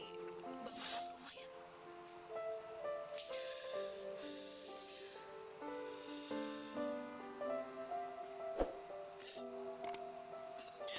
bangunan rumah ya